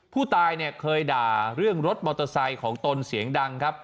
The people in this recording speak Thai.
ผู้ตายเนี่ยเคยด่าเรื่องรถมอเตอร์ไซค์ของตนเสียงดังครับ